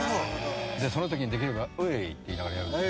「そのときにできれば『ウィ！』って言いながらやるんです」